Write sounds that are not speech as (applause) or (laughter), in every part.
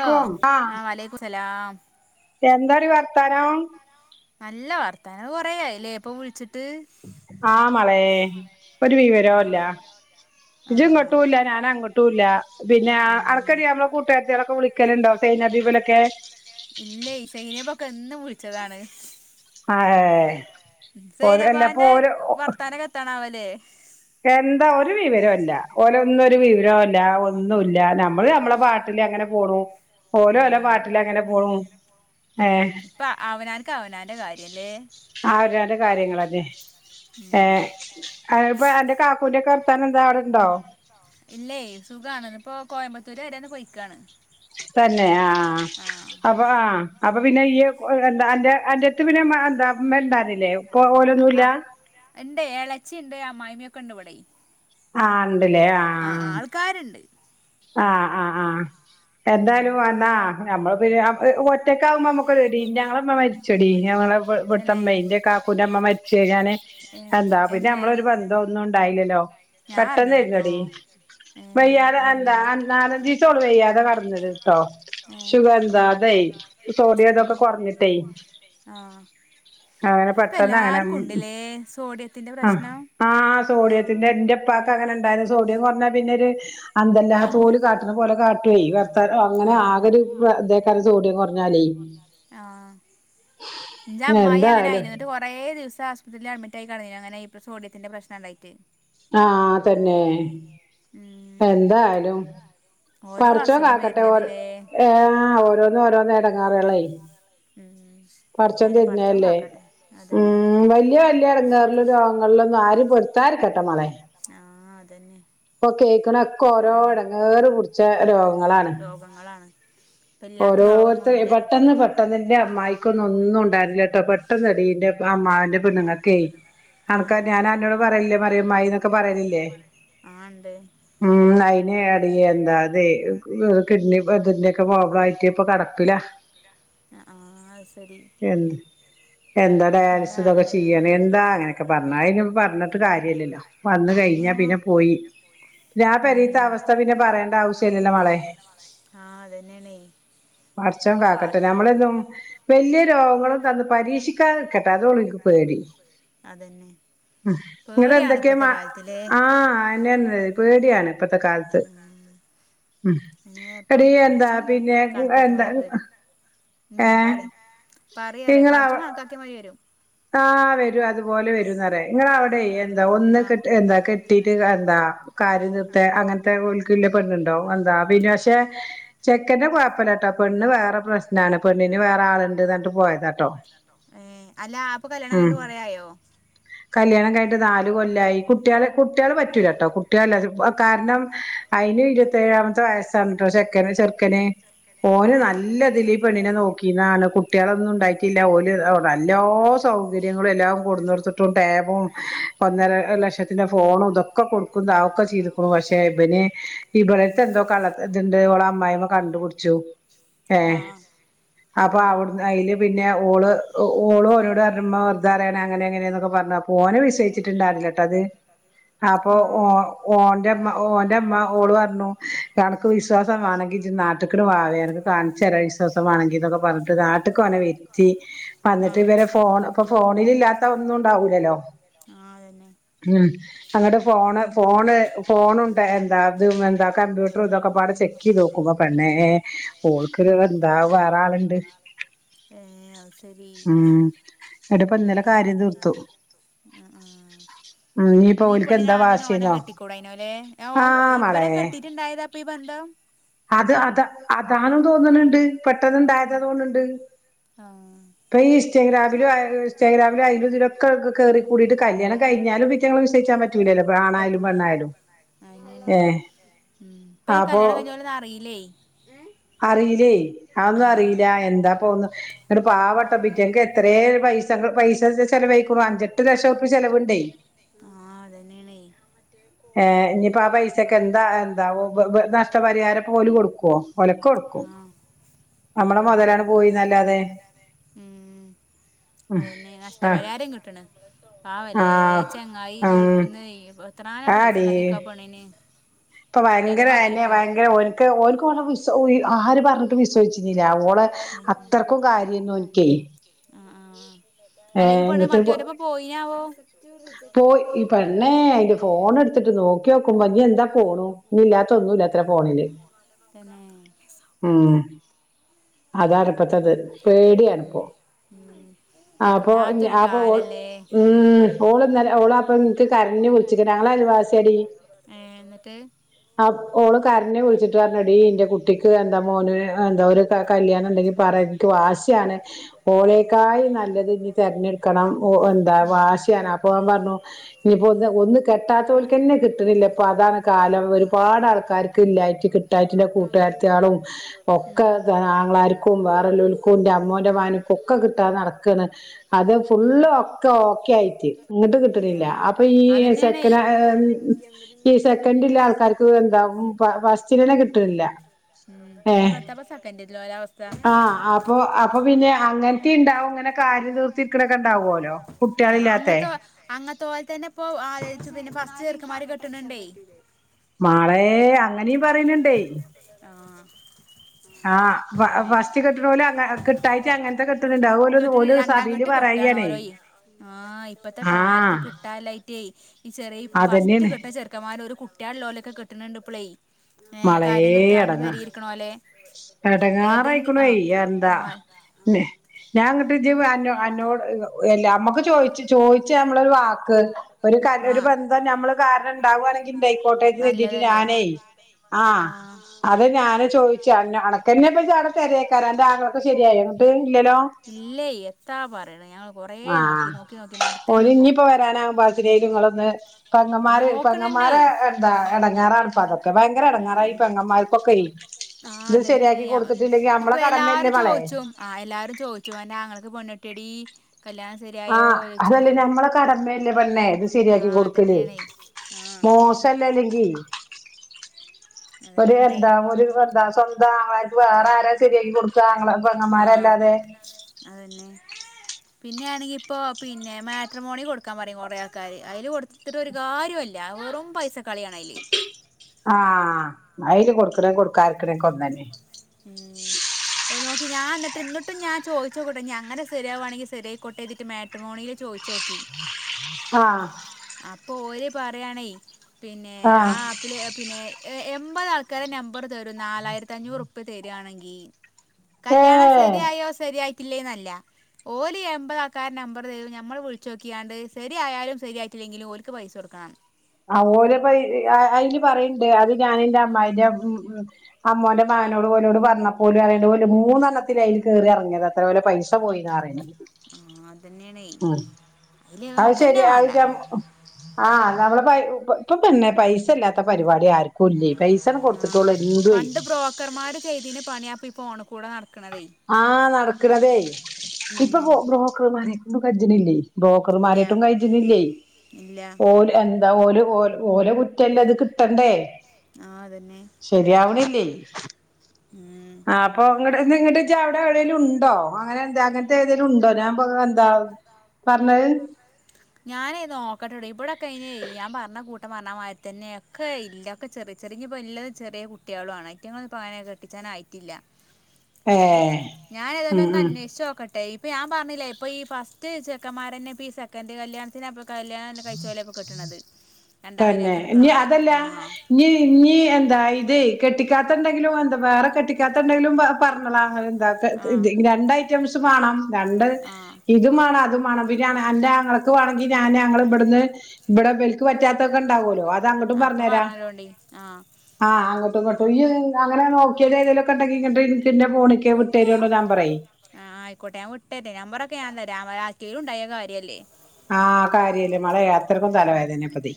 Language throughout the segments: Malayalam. ഹ ആഹ വലൈക്കും സ്ലാം എന്താ ഒരു വർത്താനം നല്ല വർത്തന കൊറയല്ലേപ്പ വിളിച്ചിട്ട് ആഹ മളയ ഒരു വിവരോല്ല ഇജ ഇങ്ങോട്ടുംല്ല ഞാനൻ അങ്ങോട്ടുംല്ല പിന്നെ അടക്കടിയുമ്പള കൂട്ടുകാരത്തിളൊക്കെ വിളിക്കലുണ്ടോ സേനാദി പോലൊക്കെ ഇല്ല ഈ സൈനെപ്പൊക്കെ എന്നും വിളിച്ചതാണ് ആ ഓ എല്ലപ്പൊ ഓര വിവരല്ല ഒന്നുമല്ല നമ്മള് നമ്മളെ പാട്ടില് അങ്ങനെ പോണൂ ഓരോ ലോ പാട്ടില അങ്ങനെ പോണും ഉം ഇപ്പൊ അവനാനക്ക് അവനാന്റെ കാര്യല്ലേ കാര്യങ്ങളല്ലെ എന്റെ കാക്കൂന്റെ കെറത്താൻ എന്താടുണ്ടോ ഇല്ലേ സുഖണ ഇപ്പോൊ കോയമ്പത്തൂര് വരെന്ന് പൊയ്ക്കുവയാണ് തന്നെ ആഹ അപ്പൊ ആഹ അപ്പൊ പിന്നെ ഈ എന്താ അറത്ത് പിന്നെ എന്താമ്മ എന്താനില്ലേോ അ ഓലൊന്നുമല്ല എന്റെ ഏളച്ചി ഉണ്ട് ആ മൈമിയൊക്കെ ഉണ്ട്വിടെ ആ ഉണ്ടല്ലേ ആഹ ആഹ ആഹ് ആഹ് എന്താലും എന്താ നമ്മൾ പി ഒറ്റക്കാവുമ്പ നമ്മുക്കെടി ഞങ്ങളെ മരിച്ചെടി ഞങ്ങളെ ഇവിടുത്തമ്മയി ന്റെകാക്കൂന്റെമ്മ മരിച്ചേ ഞാന് എന്താ പിന്നെ നമ്മളൊ ഒരു ബന്ധം ഒന്നും ഉണ്ടായില്ലല്ലോ പെട്ടന്ന് എന്ടി വയ്യാതെ എന്താ അ നാലഞ്ചീസോളൂ വയ്യാതെ കടന്നത് കേട്ടോ ഷുഗർ എന്താ അതെ സോഡിയം ഇതൊക്കെ കുറഞ്ഞിട്ടേ അങ്ങനെ പെട്ടെന്ന് അങ്ങനെ ആ ആ സോഡിയത്തിന്റെ ഇപ്പ അങ്ങനെ ഉണ്ട സോഡിയം കുഞ്ഞാ പിന്നെ ഒരു അന്തല്ല തോല് കാട്ട പോലെ കാട്ടുയി അങ്ങനെ ആകെരു ഇത് കരം സോഡിയം കുറഞ്ഞാല് ആഹ എ അമ്മായി അങ്ങനെയി എന്നിട്ട് കൊറെേ ദിവസം ആശുപത്രിൽ അഡ്മിറ്റായികണ് അങ്ങനെ ഇം സോഡിയന്റെശ്ന ഉണ്ടായിററ് ആ തന്നെ എന്തായാലും പടച്ചോൻ കാക്കട്ടെ എ ഓ ഓരോന്ന് ഓരോന്ന് ഇടങ്ങാറള്ളായി (inaudible) പടച്ചോൻ തരുന്നതല്ലേ ഉം വലിയ വലിയ ഇടങ്ങാറില രോഗങ്ങളിലൊന്നും ആര്ും പൊരുത്താതെ രികേട്ടോ മളെ ആഹ അതന്നെ ഇപ്പൊ കേക്കണ ഒക്കെ ഓരോ ഇടങ്ങേറ് പിടിച്ച രോഗങ്ങളാണ്. ഓരോരുത്തര് പെട്ടെന്ന് പെട്ടെന്ന് ന്റെ അമ്മായിക്കൊന്നും ഒന്നും ഉണ്ടായിരുന്നില്ല പെട്ടെന്നെടീ ന്റെ അമ്മാവന്റെ പെണ്ണുങ്ങക്കെ (unintelligible) ‌ ഞാനന്നോട് പറലില്ലേ മറിയ മായിന്നൊക്കെ പറലില്ലേ ഉം അയ് ഏ ടീ എന്താ അത് കിഡ്നി അതിന്റെയൊക്കെ ബ്ലോക്കായിട്ട് ഇപ്പൊ കടപ്പില. (unintelligible) എന്ത് എന്താ ഡയാലിസ് ഇതൊക്കെ ചെയ്യാണ് എന്താ അങ്ങനെക്കെ പറഞാ അയ്ന്പ്പോ പറഞ്ഞി്ട്ട് കാര്യല്ലല്ലോ വന്നു കഴിഞ്ഞാ പിന്നെ പോ പോയി പിന്നെ ആ പെരീത്ത അവസ്ഥ പിന്നെ പറയേണ്ട ആവശ്യല്ലല്ലോ മളെ പടച്ചോൻ കാക്കട്ടെ നമ്മലെന്നും വല്യ രോഗങ്ങളൊ തന്ന് പരീക്ഷിക്കാതക്കട്ടെ ഇരികടെ അതോള്ളൂൻക്ക് പേടി. ഉ എന്തൊക്കെ മ ആഅന്നെർ ഞേ പേടിയാണ് ഇപ്പത്തെ കാലത്ത് ഉം എടീ എന്താ (unintelligible) എന്താണ് ഉം പറി പറീ പടച്ചോൻ കണക്കാക്കെ മാരിവരും ആ വരും അതുപോലെ വരുംന്നറേ ഇങ്ങളവടെ എന്താ ഒന്ന് കെ എന്താ കെട്ടീട്ട് എന്താ കാര്യം തീർത്തെ അങ്ങനത്തെ ഓൽക്ക്ള്ളെ പെണ്ണുണ്ടോ എന്താ വിനോ ചെക്കന്റെ കുഴപ്പല്ലട്ടോ പെണ്ണ് വേറെ പ്രശ്നാണ് പെണ്ണിന് വേറെ ആളുണ്ട്ന്ന പറഞ്ഞിട്ട് പോയതാ ട്ടോ (inaudible) ഉം (unintelligible) കല്യാണംകഴിഞ്ഞിട്ട് നാല് കൊല്ലായി കുട്ട്യാള് കുട്ട്യാള് പ പറ്റൂലാട്ടോ കുട്ട്യാളില്ലാതെ കാരണം അയിന് ഇരുപത്തേഴാമത്തെ വയസാണ് ട്ടോ ചെക്കന്റെ ചെറുക്കന് ഓന് നല്ലതിൽ ഈ പെണ്ണിനെ നോക്കീന്നാണ് കുട്ട്യാളൊന്നും ഉണ്ടായിട്ടില്ല ഓന് നല്ലോം ല്ലോം സൗകര്യങ്ങളും എല്ലാം കൊട്ന്ന്കൊടുത്തിട്ടും ടാബും ഒന്നര ഒരു ലക്ഷത്തിന്റെ ഫോണും ഇതൊക്കെ കൊ കൊടുക്കു താക്കെ ചെയ്ത്ക്കുണ് പക്ഷെ ഇബന് ഇബളെട്ത്തെന്തോ കള്ളത്ര ത്ണ്ട് ഓളെ അമ്മായിമ്മ കണ്ടുപുട്ച്ചു ഏ അപ്പൊ അവിടുന്ന് അയില് പിന്നെ ഓള് ഓള് ഓനോ ത്പറഞു ഇമ്മ വെറുതറിആണ് അങ്ങനെ ഇങ്ങനെന്നൊക്കെ പറഞ്ഞു അപ്പൊ ഓന് വിശ്വസിച്ചിണ്ടായില്ലട്ടത് അപ്പൊ ഓ ഓന്റെമ്മ ഓന്റെമ്മ ഓള് പറഞ്ഞു അണക്ക് വിശ്വാസംമാണെങ്കി ഇജ് നാട്ടക്ക്ണ് വായേ അന്ക്ക് കാണിച്ച വിശ്വാസവാണെങ്കിന്നൊക്കെ പറഞ്ഞി്ട്ട് നാട്ട് ക്കോനെ വെര്ത്തി ന്നിട്ട് ഇവരെ ഫോൺ ഇപ്പൊ ഫോണിൽ ഇല്ലാത്ത ഒന്നും ഉണ്ടാവൂലല്ലോ ആ അതന്നെ അങ്ങട്ട് ഫോണ് ഫോണ് ഫോണും ട്ടേ എന്താ ത് കമ്പ്യൂ ന്ന്ട്ട് ഇതൊക്കെപാടെ ചെക്ക് ചെയ്തോക്കുമ്പോ പെണ്ണേ ഓൾക്കൊരു എന്താ വേറെ ആളുണ്ട് ഉം ന്ന്ട്ട്പ്പന്നലെ കാര്യം തീർത്തു ആ ആ ന്നീപ്പെണ്ണിന് ആദ്യം തന്നെ ഓനെ കെട്ടിക്കൂടായിനോലെ ഓ ഓ ഇവനെ കെട്ടീട്ട്ണ്ടായതാപ്പോ ഈ ബന്ധം (unintelligible) അത് അത അതാനും തോന്ന്ണണ്ട് പെട്ടെന്ന്ണ്ടായതാ തോണണ്ട് ഇപ്പൊ ഈ ഇസ്റ്റഗ്രാമില ഇസ്റ്റഗ്രാമില അയിലു ഇതിക്കെ കേറികൂടിട്ട് കല്യാണം കഴിഞ്ഞാലും ഇതീറ്റങ്ങളെ വിശ്വയ്ച്ചാ പ പറ്റൂല അതന്നെണ് പ്പയ്ന് കല്യാണം കഴിഞൊലെന്നും അറീ ഇല്ലെ അറീല്ലേ ആ ഒന്നും അറീലാ എന്താ പോന്നു ഇങ്ങട്ട് പാവട്ടോ പിറ്റങ്ങക്ക് എത്ര പൈസ പ പൈസ ചെലവയ്കുണു അഞ്ചെട്ട് ലക്ഷം ഉർപ്പിയ ചെലവുണ്ടെ ഏ ഞ്ഞിപ്പോ ആ പൈസൊക്കെ എന്താ എന്താവോ നഷ്ടപരിഹാരം പോല് കൊടുക്കോ ഒലക്കൊട്ക്കും അതന്നെ (unintelligible) ഉം അതന്നെ നഷ്ടപരിഹാരം കിട്ടണ് പാവലെ ഇ ചെങ്ങായി ഗൾഫ്ന്ന് എത്രങ്ങാനോ പൈസണ്ടാകീക്കാ ആ പെണ്ണിന് ഇപ്പ ഭയങ്കര തന്നെ ഭയങ്കര ഒക്ക് ഓക്ക് വി ആര് പറഞ്ഞിട്ട് വിശ്വിച്ച അവള് അത്രക്കും കാര്യൊന്നും എനിക്കേ അല്ലെ ഈ പൊ മറ്റവരപ്പോ പോയിനാവോ പോയി ഈ പെണ്ണെ അയിന്റെ ഫോൺ എടുത്തിട്ട് നോക്കി നക്കോക്ക്പോ ഇനി എന്താ പോണ ഇ ഇല്ലാത്തൊന്നും ഇല്ലാത്ര ഫോണില് പിന്നെ (inaudible) അതാാണ്പ്പത്തത് പേടിയാണ്പ്പോ ആ അപ്പൊ അപ്പൊ ഓ ഉ ഓള് നല്ല ഓള അപ്പൊ കരഞ്ഞി വിളിച്ചിക്ക ഞങ്ങളെ അലവാസിടി ആ ഓള് കാരനെ വിളിച്ചിട്ട് പറഞ്ഞടി എന്റെ കുട്ടിക്ക് എന്താ മോന് എന്താ ക ഉണ്ടെങ്കിൽ പറ വാശാണ് ഓളക്കായി നല്ലത് ഇനി തിരഞ്ഞെടുക്കണം എന്താ വാശിയാണ് അ പോവാൻ പറഞ്ഞു ഇനിപ്പോ ഒന്നന്ന് കെട്ടാത്ത പോലക്ക്ന്നെ കിട്ടണില്ല ഇപ്പൊ അതാണ് കാലം ഒരുപാട് ആൾക്കാർക്ക് ഇല്ലായിട്ട് കിട്ടാ കൂട്ടുകാാരത്ത ആളും ഒക്കെ ങ്ങളാർക്കും വേറെല്ലക്കുംന്റെ അമ്മോന്റെ മക്കും ഒക്കെ കിട്ടാതെ നടക്കാണ് അത് ഫു ഓക്കെ ഓക്കെ ആയിട്ട് ഇങ്ങിട്ട് കിട്ടണ് ല്ല അപ്പൊ ഈ സെക്കൻ ഈ സെക്കൻഡില്ല ആൾക്കാർക്ക് എന്താവും ഉ പിന്നെ പത്തപ്പ സക്കൻഡത്തി ആഹ അപ്പൊ അപ്പൊ പിന്നെ അങ്ങനത്തെയ ഉണ്ടാവും അങ്ങനെ കാര്യം തീർത്തിരിക്കണൊക്കെ ഉണ്ടാവുമല്ലോ ആ അങ്ങത്തെ അങ്ങത്തെ പോലെ തന്നെ ഇപ്പോ പിന്നെ ഫസ്റ്റ് ചെർക്കുമാതിര് കെട്ടണണ്ടേ മാളെ അങ്ങനെയ പറയുന്നുണ്ടേ ആഹ വസ്റ്റ് കിട്ടണ പോല കിട്ടായിട്ട് അങ്ങനത്തെ ക കെട്ടി രണ്ടാംകെട്ട് കെട്ടുകാണ് ഓരോ ആ ഇപ്പത്തെ കാലത്ത് കിട്ടല്ലായിറ്റേ ചെറിയ ഇപ്പ ഫസ്റ്റ് കിട്ട ചെറുക്കമാ ഒരു കുട്ടികളള്ളോലൊക്കെ കിട്ടുന്നുണ്ട് പള കാര്യം നിർത്തിണ്ട് പരിയിരിക്കണ ഓ ല്ലെ കടങ്ങാറായിക്കണ എന്താ ഞാൻ ഇങ്ങോട്ട് ഇജ എന്നോട് എല്ല അമ്മക്ക് ചോയി ചോയിച് നമ്മളൊരു വാക്ക് ഒരു ഒരു ബന്ധം നമ്മള് കാരണം ഉണ്ടാവുകവാണെങ്കി ഉണ്ടായിക്കോട്ടെ എന്ന് കരുതിയിട്ട് ഞാനേ ആ അത് ഞാന് ചോദിച്ച അണക്കെന്നെപ്പ ചാട തര എന്റെ ആങ്ങള്ക്ക് ശരിയായി അങ്ങോട്ട് ഇല്ലലോ ഇല്ലേ എന്താ പറയണേ ഞങ്ങള് കൊറെ നോക്കി നോക്കി നോക്കി മടുത്തക്കണിപ്പോ ത് പെങ്ങന്മാര് പെങ്ങമ്മാരെ എന്താ എടങ്ങേറാണിപ്പോ അതൊക് ക്കെ ഭയങ്കര എടങ്ങാറാ ഈ പെങ്ങമാർക്കൊക്കെ ആഹ് അതന്നെയാണെ (unintelligible) ഇപ്പൊ എല്ലാരും ചോയിച്ചു ആഹ് എല്ലാരും ചോയിച്ചു അന്റെ ആങ്ങളക്ക് ക്ക് പെണ്ണ് കിട്ടിയോടി ആഹ് അതല്ലേ ഞമ്മളെ കടമയല്ലേ പെണ്ണെ ഇത് ശരിയാക്കി കൊടുക്കല് മോശല്ലേ അല്ലെങ്കി ഒരു എന്താ ഒരു എന്താ സ്വന്തം ആങ്ങളാര്ക്ക് വേറെ ആരാ ശരിയാക്കി കൊടുക്കാ ങ്ങള് പെങ്ങമ്മാരല്ലാതെ പിന്നെയാണെങ്കി ഇപ്പൊ പിന്നെ മാട്രിമോണി കൊടുക്കാൻ പറയും കൊറെ ആൾക്കാര്, അയില് കൊടുത്തിട്ട് ഒരു കാര്യോല്ല. അത് വെറും പൈസക്ക് ആഹ് അയില് കൊടുക്കറെ കൊടുക്കാറെക്കണേ ഒക്കെ ഒന്നെന്നെയാ (unintelligible) ഞാ ഇന്നിട്ട് എന്നിട്ടും ഞാ ചോയിച്ചോക്കീട്ടോ ഇനി അങ്ങനെ സെരിയാവാണെങ്കി സെരിയായിക്കോട്ടെ (unintelligible) മാട്രിമോണീല് ചോയിച്ചോക്കി. ആഹ് (unintelligible) ആണെ പിന്നെ ആ ആപ്പില് പിന്നെ ഏഹ് എമ്പതാൾക്കാരെ നമ്പ് റ് തെരും നാലായിരത്തഞ്ഞൂറ് ഉറുപ്യ തെരാണെങ്കി കല്യാണം സെരിയായോ സെരിയായി പില്ലേന്നല്ല ഓലി എൺമ്പതാക്കാടെ നമ്പർ തരും മ്മൾ വിളിച്ചു നോക്കിയാണ്ട് ശെരിയാലും ശരിയ ല്ലെങ്കിലും ഓര്ക്ക് പൈസ കൊടുക്കണം ആഹ് ഓരോ പ അതില് പറയണ്ട് അത് ഞാൻ ന്റെ അമ്മായിന്റെ അമ്മോന്റെ ട് പോലോട് പറഞ്ഞ പോലും അ മൂന്നെണ്ണത്തില് അതിൽ കയറിറങ്ങിയത് അത്ര പോല പൈസ പോയി അറിണത് അത് ശരി അ ആഹ് (unintelligible) ഇപ്പ പിന്നെ പൈസ ഇല്ലാത്ത പരിപാടി ആര്ക്കും കൊല്ലേ പൈസണ് കൊടുത്തിട്ട്ള്ളൂ വീട് ഫോണ് കൂടെ നട ആഹ് നടക്ക്ണതേ ഇപ്പൊ ബ്രൊ ബ്രോക്കർമാരെക്കും കജനില്ലേ ബ്രോക്കർമാരായിട്ടും കയ്ച്ചുന്നില്ലേ ഓര് എന്താ ഓല് ഓ ഓരോ കുറ്റെല്ലാം ഇത് കിട്ടണ്ടേ ശരിയാവണില്ലേ ആഹ് അപ്പൊ ടെ നിങ്ങട്ടെക്കവിടെ എവിടേലുണ്ടോ അങ്ങനെന്താ അങ്ങനെത്തെതേലുണ്ടോ ഞാൻ പൊ എന്താ പറഞ്ഞത് ഞാനേ നോക്കട്ടെട ഇവിടെക്കയിനെ ഞാൻ പറഞ്ഞ കൂ ട്ട പർണമാതിരി തന്നെയൊക്കെ ഇല്ലൊക്കെ ചെറി ചെറിയ പില്ലേ ചെറിയ കുട്ടികളാണ് എനിക്ക (unintelligible) (unintelligible) ഏഹ് ഞാനതെല്ലാം ഒന്നന്വേഷിച്ചോക്കട്ടെ ടെയ്പ്പ് ഞാൻ പറഞ്ഞില്ലേ ഇപ്പൊ ഈ ഫസ്റ്റ് ചെക്കന്മാരനെ ഇപ്പ സെക്കൻറ് കല്യാണത്തിനപ്പോ കല്യാണം കഴിച്ച പോലെപ്പോ കിട്ടണത് രണ്ടാ കല്യാത്തി നിൽക്കണ പോലെ ആഹ് ഇതായത് കെട്ടിക്കാത്തണ്ടെങ്കിലോ എന്താ വേറെ കെട്ടി (unintelligible) പറഞ്ഞോളാം എന്താക്ക രണ്ട് ഐറ്റംസ് വേണം രണ്ട് ഇതും വേണം അത് വേണം പിന്നാണ് ന്റാങ്ങള്ക്ക് വേണെങ്കി ഞാനങ്ങള് ഇവിട്ന്ന് ഇവിടെ വെലിക്ക് പറ്റാത്തൊക്ക്ണ്ടാവുല്ലോ അതങ്ങോട്ടും പറഞ്ഞരാ ആഹ് അങ്ങോട്ടും ഇങ്ങോ (unintelligible) അങ്ങനെ നോക്കിയലേതൊലൊക്കെണ്ടെങ്കി ഇങ്ങോട്ട് എനി ഫോണിക്ക് വിട്ടെരുള്ള ഞമ്പറെ രാമരാക്കലുണ്ടായ കാര്യല്ലേ ആഹ് കാര്യല് മഴയാത്രക്കും തലവായതന്നെപ്പത്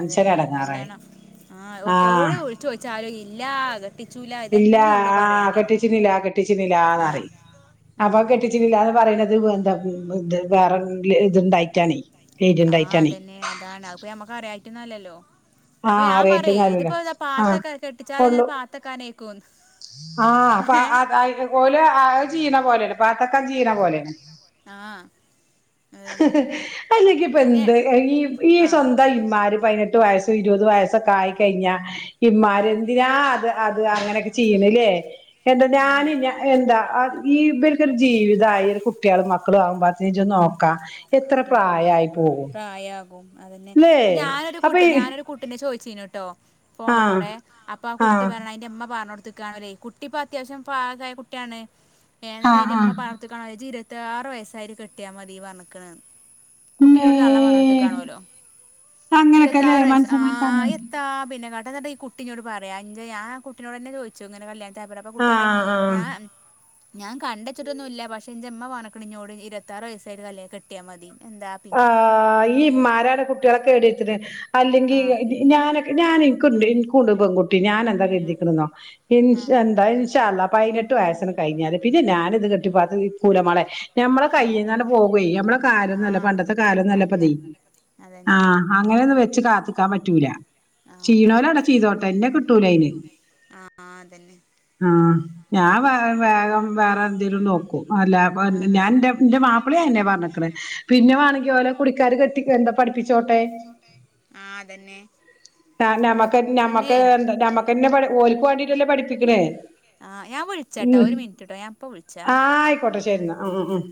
അതന്നെയാണ് കല്യാണം ആഹ് ഒക്കോടെ വിളിച്ചു ചോയ്ച്ചാലും ഇല്ലാ കട്ടി ഇല്ല ആഹ് കെട്ടിച്ചുന്നില്ല കെട്ടിച്ചുന്നില്ലാന്നറി അപ്പൊ കെട്ടിച്ചിട്ടില്ലാന്ന് പറയണത് എന്താ (unintelligible) വേറെ ഇത്ണ്ടായിട്ടാണേ ആഹ് അതന്നെ അതാണ് അപ്പൊ ഞമ്മക്ക് അറിയായിട്ടന്നല്ലല്ലോ അപ്പൊ ഞാൻ പറ ഇതിപ്പോന്താ പാത്തൊക്ക കെട്ടിച്ചാതങ്ങനെ പാത്തക്കാനക്കുന്ന് ആഹ് (unintelligible) ഓല് അഹ് ചീന പോലാണ് പാത്തക്കം ചീന പോലാണ് ആ അയ്ലൊക്ക്പ്പെന്ത് ഈ ഈ സ്വന്തം ഇമ്മാര് പതിനെട്ട് വയസ്സോ ഇരുപത് വയസൊക്കെ ആയി കഴിഞ്ഞ ഇമാരെന്തിനാ അത് അത് അങ്ങനെക്കെ ചെയ്യ്നുല്ലേ എന്താ ഞാന് ഞ എന്താ ഈ ഇബർക്കൊരു ജീവിതായി ഒരു കുട്ടികളും മക്കളും ആകുമ്പോ നോക്കാം എത്ര പ്രായായി പോകും അതന്നെ ഇപ്പൊ ഞാനൊരു കുട്ടി ഞാനൊരു കുട്ടിനെ ചോയ്ച്ചേനുട്ടോ പോണ് കൂടെ അപ്പൊ ആ കുട്ടി പറയ്ണ് അയ്ന്റ്മ്മ പറഞ്ഞോടു (unintelligible) കുട്ടിപ്പൊ അത്യാവശ്യം പാകായ കുട്ട്യാണ് എന്നിട്ട് അതിന്റ്മ്മ (unintelligible) പത്ത് ആറ് വയസ്സായൊര് കെട്ടിയാ മതിന്ന് പറഞ്ഞ്ക്ക്ണ് കുട്ടിനോട് തള്ള (unintelligible) കാണുല്ലോ ഇരുവത്താറു വയസ് ആഹ് എത്താ പിന്നെ കാട്ട (unintelligible) ഈ കുട്ടിനോട് പറയാം അഞ്ച് ഞാ ആ കുട്ടിനോട്ന്നെ ചോയ്ച്ചു ഇങ്ങനെ കല്യ (unintelligible) കുട്ടിപറയ ഞാ ഞാൻ കണ്ടെച്ചിട്ടൊന്നുല്ല പക്ഷേ എന്റ്മ്മ പഞ്ഞ്ക്ക്ണ് ന്നോട് ഇരുവത്താറ് വയസ്സായിട്ട് കല്ല് കെട്ടിയാൽ മതി ആഹ് ഈ മാരാണ് കുട്ടികളൊക്കെ (unintelligible) അല്ലെങ്കി ഞാനൊക്കെ ഞാന് ക്ക്ണ്ട് ഇൻകുണ്ട് പെൺകുട്ടി ഞാൻ എന്താ ചിന്തിക്കണ്ന്നോ ഇൻഷ് എന്താ ഇൻഷാ അള്ളാ പതിനെട്ട് വയസ്സാണ് കഴിഞ്ഞാല് പിന്നെ ഞാനിത് കെട്ടിപ്പാത്ത് നിക്കൂല മാളെ ഞമ്മളെ കൈയ്യീന്നാട് പോകുവേ ഞമ്മളെ കാലൊന്നും അല്ല ഇപ് ത്തെ കാലം ഒന്നും അല്ലപ്പയിതെ ആഹ് അങ്ങനെ ഒന്നും വെച്ച് കാത്ത്ക്കാൻ പറ്റൂല. ചീയ്യണോല് ആടെ ചെയ്തോട്ടെ ഇന്നെ കിട്ടൂല അയിന് ആഹ് ഞാൻ വേ വേഗം വേറെ എന്തേലും നോക്കും. അല്ല അപ്പ് ഞാൻ ഇന്റെ ഇന്റെ മാപ്പിളയും അയെന്നെയാ പറഞ്ഞിക്കണെ ആഹ് അതന്നെ സാര്ല അമ്മക്കെന്നെ അമ്മക്ക് ണ്ട് നമ്മക്കന്നെ പട് ഓൽക്ക് വാണ്ടീട്ടല്ലേ പഠിപ്പിക്ണേ ആഹ് ഞാൻ വിളിച്ചട്ടാ ഒരു മിനിറ്റ് ട്ടോ ഞാൻ ഇപ്പ വിളിച്ചാ ശരിന്ന ഉം ഉം